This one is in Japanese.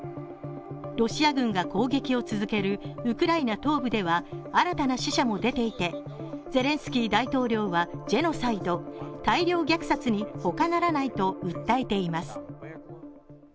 ロシア軍が攻撃を続けるウクライナ東部では新たな死者も出ていてゼレンスキー大統領はジェノサイド＝大量虐殺にほかならないと訴えています。